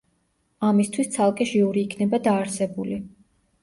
ამისთვის ცალკე ჟიური იქნება დაარსებული.